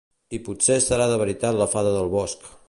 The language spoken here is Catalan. I potser serà de veritat la fada del bosc